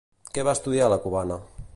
Què va estudiar la cubana?